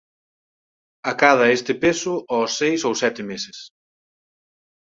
Acada este peso aos seis ou sete meses.